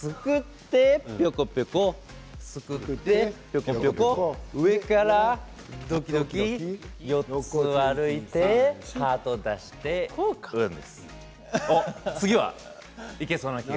すくって、ぴょこぴょこ上からどきどき４つ歩いてハートを出して次はいけそうな気が。